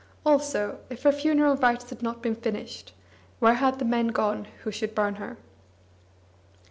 Also, if her funeral rites had not been finished, where had the men gone who should burn her?